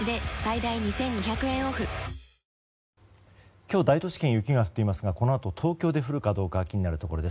今日、大都市圏雪が降っていますがこのあと、東京で降るかどうか気になるところです。